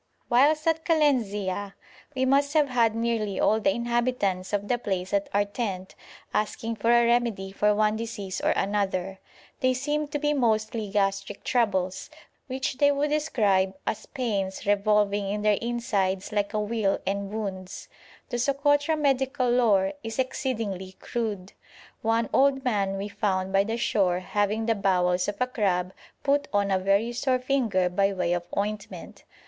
Whilst at Kalenzia we must have had nearly all the inhabitants of the place at our tent asking for a remedy for one disease or another; they seemed to be mostly gastric troubles, which they would describe as pains revolving in their insides like a wheel, and wounds. The Sokotra medical lore is exceedingly crude. One old man we found by the shore having the bowels of a crab put on a very sore finger by way of ointment.